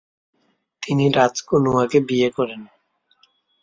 তিনি রাজ কুনুয়াকে বিয়ে করেন।